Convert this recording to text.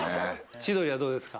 千鳥はどうですか？